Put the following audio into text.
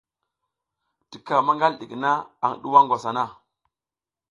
Tika maƞgal ɗik na aƞ ɗuwa ngwas hana.